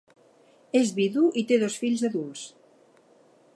És vidu i té dos fills adults.